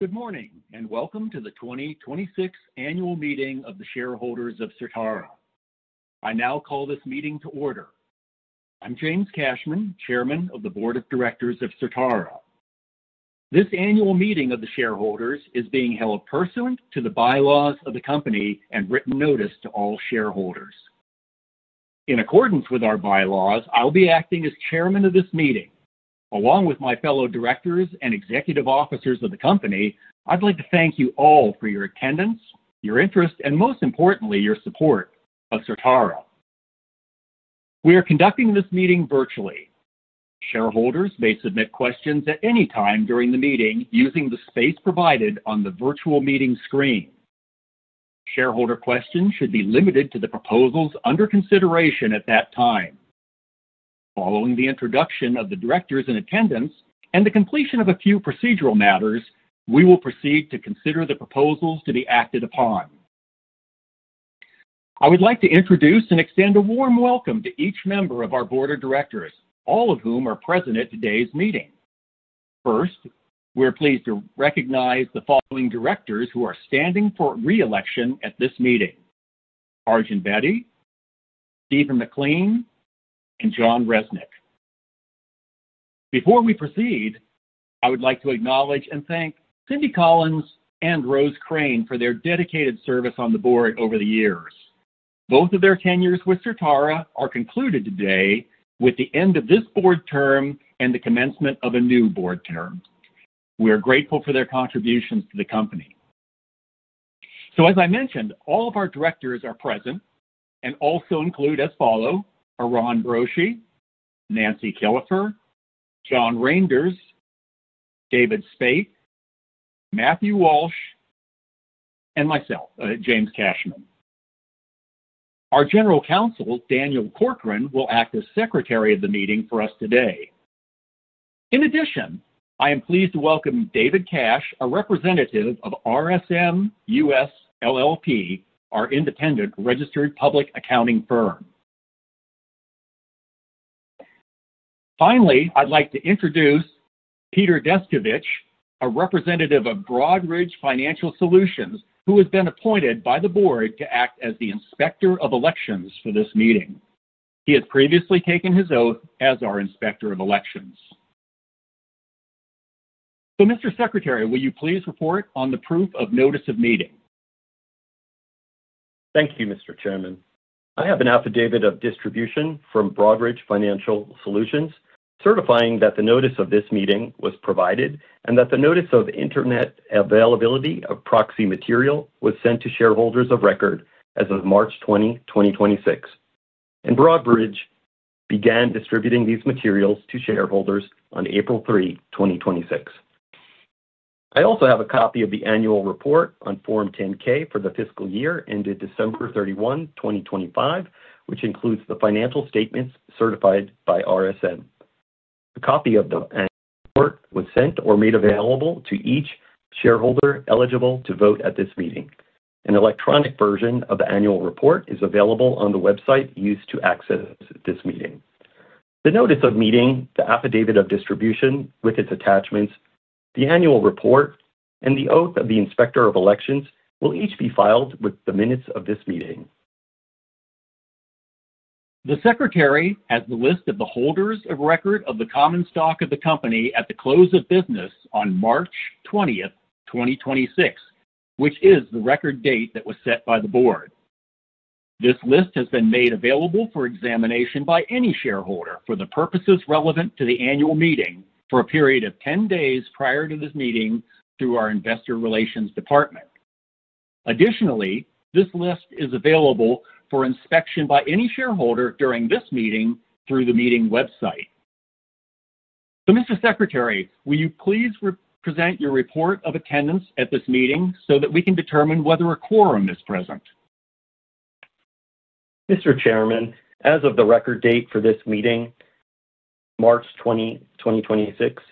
Good morning, and welcome to the 2026 annual meeting of the shareholders of Certara. I now call this meeting to order. I'm James Cashman, chairman of the board of directors of Certara. This annual meeting of the shareholders is being held pursuant to the bylaws of the company and written notice to all shareholders. In accordance with our bylaws, I'll be acting as chairman of this meeting. Along with my fellow directors and executive officers of the company, I'd like to thank you all for your attendance, your interest, and most importantly, your support of Certara. We are conducting this meeting virtually. Shareholders may submit questions at any time during the meeting using the space provided on the virtual meeting screen. Shareholder questions should be limited to the proposals under consideration at that time. Following the introduction of the directors in attendance and the completion of a few procedural matters, we will proceed to consider the proposals to be acted upon. I would like to introduce and extend a warm welcome to each member of our board of directors, all of whom are present at today's meeting. First, we're pleased to recognize the following directors who are standing for re-election at this meeting: Arjun Bedi, Stephen McLean, and Jon Resnick. Before we proceed, I would like to acknowledge and thank Cynthia Collins and Rose Crane for their dedicated service on the board over the years. Both of their tenures with Certara are concluded today with the end of this board term and the commencement of a new board term. We are grateful for their contributions to the company. As I mentioned, all of our directors are present and also include as follow: Eran Broshy, Nancy Killefer, John Reynders, David Spaight, Matthew Walsh, and myself, James Cashman. Our General Counsel, Daniel Corcoran, will act as secretary of the meeting for us today. In addition, I am pleased to welcome David Cash, a representative of RSM US LLP, our independent registered public accounting firm. Finally, I'd like to introduce Peter Deskovich, a representative of Broadridge Financial Solutions, who has been appointed by the board to act as the inspector of elections for this meeting. He has previously taken his oath as our inspector of elections. Mr. Secretary, will you please report on the proof of notice of meeting? Thank you, Mr. Chairman. I have an affidavit of distribution from Broadridge Financial Solutions certifying that the notice of this meeting was provided and that the notice of internet availability of proxy material was sent to shareholders of record as of March 20, 2026. Broadridge began distributing these materials to shareholders on April 3, 2026. I also have a copy of the annual report on Form 10-K for the fiscal year ended December 31, 2025, which includes the financial statements certified by RSM. A copy of the annual report was sent or made available to each shareholder eligible to vote at this meeting. An electronic version of the annual report is available on the website used to access this meeting. The notice of meeting, the affidavit of distribution with its attachments, the annual report, and the oath of the inspector of elections will each be filed with the minutes of this meeting. The secretary has the list of the holders of record of the common stock of the company at the close of business on March 20th, 2026, which is the record date that was set by the board. This list has been made available for examination by any shareholder for the purposes relevant to the annual meeting for a period of 10 days prior to this meeting through our investor relations department. Additionally, this list is available for inspection by any shareholder during this meeting through the meeting website. Mr. Secretary, will you please re-present your report of attendance at this meeting so that we can determine whether a quorum is present? Mr. Chairman, as of the record date for this meeting, March 20, 2026,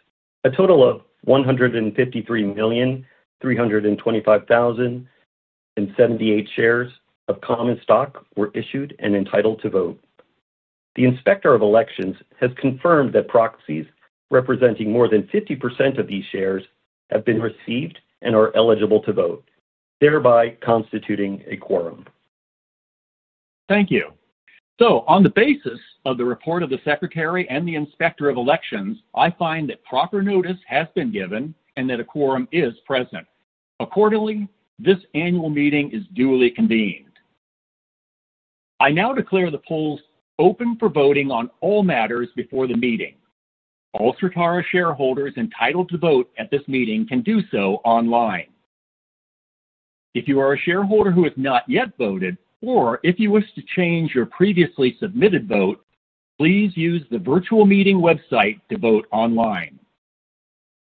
a total of 153,325,078 shares of common stock were issued and entitled to vote. The Inspector of Elections has confirmed that proxies representing more than 50% of these shares have been received and are eligible to vote, thereby constituting a quorum. Thank you. On the basis of the report of the secretary and the inspector of elections, I find that proper notice has been given and that a quorum is present. Accordingly, this annual meeting is duly convened. I now declare the polls open for voting on all matters before the meeting. All Certara shareholders entitled to vote at this meeting can do so online. If you are a shareholder who has not yet voted, or if you wish to change your previously submitted vote, please use the virtual meeting website to vote online.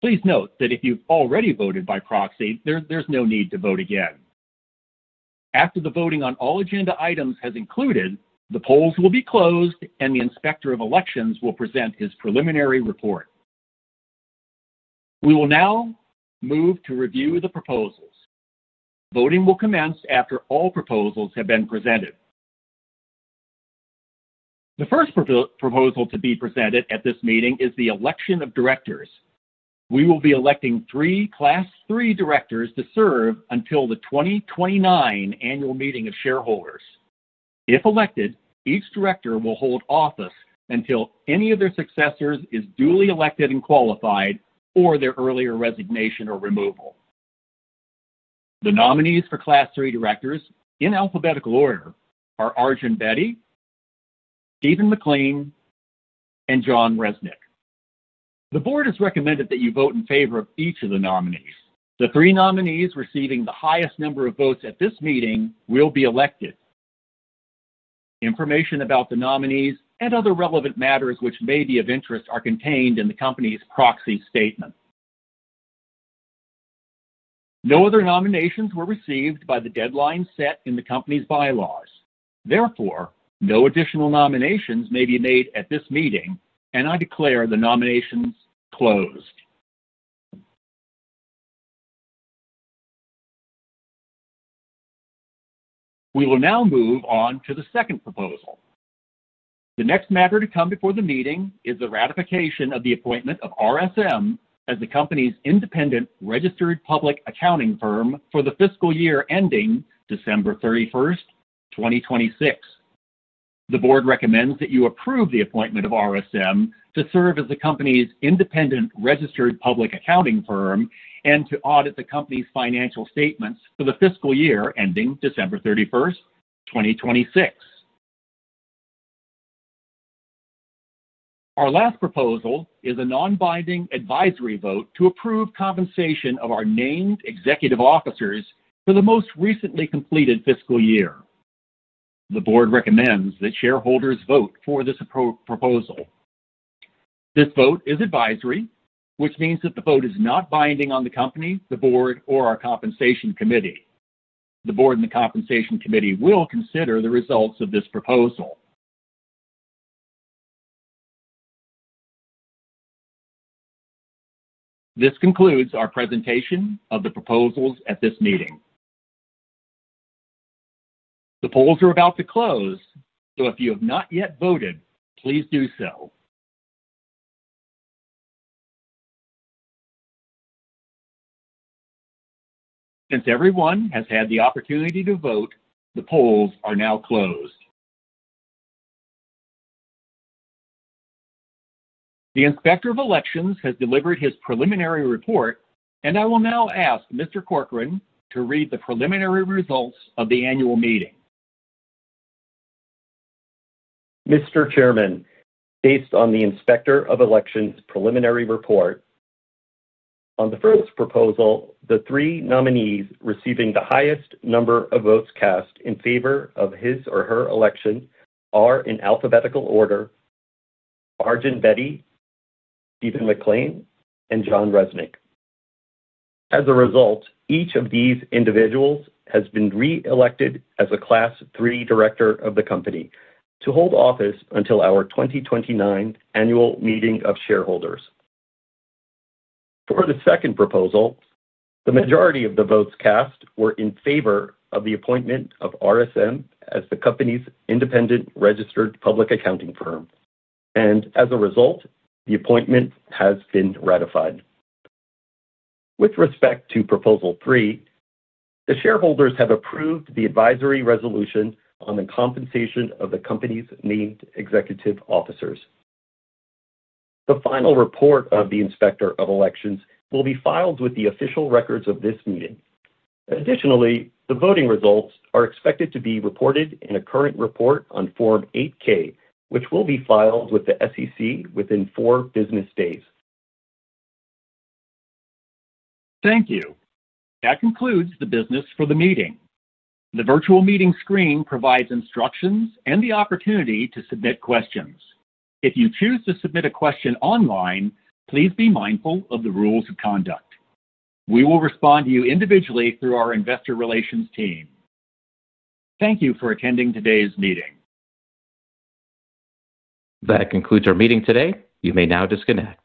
Please note that if you've already voted by proxy, there's no need to vote again. After the voting on all agenda items has concluded, the polls will be closed, and the inspector of elections will present his preliminary report. We will now move to review the proposals. Voting will commence after all proposals have been presented. The first proposal to be presented at this meeting is the election of directors. We will be electing three Class III directors to serve until the 2029 annual meeting of shareholders. If elected, each director will hold office until any of their successors is duly elected and qualified or their earlier resignation or removal. The nominees for Class III directors, in alphabetical order, are Arjun Bedi, Stephen McLean, and Jon Resnick. The board has recommended that you vote in favor of each of the nominees. The three nominees receiving the highest number of votes at this meeting will be elected. Information about the nominees and other relevant matters which may be of interest are contained in the company's proxy statement. No other nominations were received by the deadline set in the company's bylaws. Therefore, no additional nominations may be made at this meeting, and I declare the nominations closed. We will now move on to the second proposal. The next matter to come before the meeting is the ratification of the appointment of RSM as the company's independent registered public accounting firm for the fiscal year ending December 31st, 2026. The board recommends that you approve the appointment of RSM to serve as the company's independent registered public accounting firm and to audit the company's financial statements for the fiscal year ending December 31st, 2026. Our last proposal is a non-binding advisory vote to approve compensation of our named executive officers for the most recently completed fiscal year. The board recommends that shareholders vote for this proposal. This vote is advisory, which means that the vote is not binding on the company, the board, or our compensation committee. The board and the compensation committee will consider the results of this proposal. This concludes our presentation of the proposals at this meeting. The polls are about to close, so if you have not yet voted, please do so. Since everyone has had the opportunity to vote, the polls are now closed. The Inspector of Elections has delivered his preliminary report, and I will now ask Mr. Corcoran to read the preliminary results of the annual meeting. Mr. Chairman, based on the Inspector of Elections preliminary report, on the first proposal, the three nominees receiving the highest number of votes cast in favor of his or her election are, in alphabetical order, Arjun Bedi, Stephen McLean, and Jon Resnick. As a result, each of these individuals has been reelected as a Class III director of the company to hold office until our 2029 annual meeting of shareholders. For the second proposal, the majority of the votes cast were in favor of the appointment of RSM as the company's independent registered public accounting firm. As a result, the appointment has been ratified. With respect to proposal 3, the shareholders have approved the advisory resolution on the compensation of the company's named executive officers. The final report of the Inspector of Elections will be filed with the official records of this meeting. Additionally, the voting results are expected to be reported in a current report on Form 8-K, which will be filed with the SEC within four business days. Thank you. That concludes the business for the meeting. The virtual meeting screen provides instructions and the opportunity to submit questions. If you choose to submit a question online, please be mindful of the rules of conduct. We will respond to you individually through our investor relations team. Thank you for attending today's meeting. That concludes our meeting today. You may now disconnect.